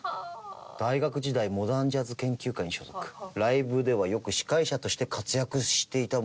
「大学時代モダンジャズ研究会に所属」「ライブではよく司会者として活躍していた模様」